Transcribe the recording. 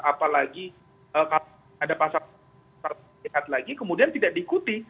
apalagi kalau ada pasal pidana lagi kemudian tidak diikuti